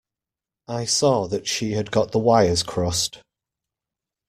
I saw that she had got the wires crossed.